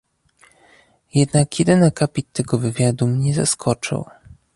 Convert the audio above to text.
Jednak jeden akapit tego wywiadu mnie zaskoczył